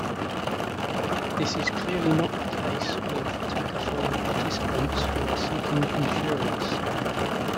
This is clearly not the case with Takaful participants who are seeking insurance.